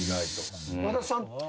和田さん。